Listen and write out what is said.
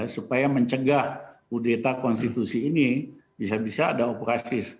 supaya mencegah kudeta konstitusi ini bisa bisa ada operasi